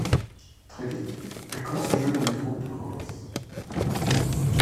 Très vite, elle commence à jouer dans des troupes de province.